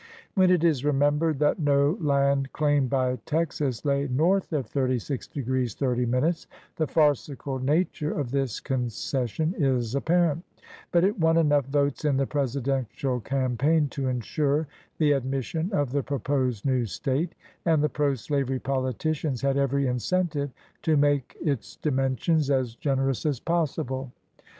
When it is remembered that no land claimed by Texas lay north of 36° 30', the farcical nature of this concession is apparent ; but it won enough votes in the Presidential cam paign to insure the admission of the proposed new State, and the pro slavery politicians had every incentive to make its dimensions as gener ous as possible.